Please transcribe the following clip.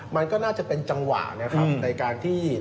มันก็น่าจะเป็นจังหวะในการที่